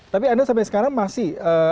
tapi anda sampai sekarang masih